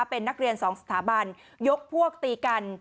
เป็นนักเรียนสองสถาบันยกพวกตีกัน